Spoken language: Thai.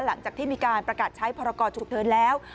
หลังจากที่มีการประกาศใช้พรกรฉุกเฉินแล้ว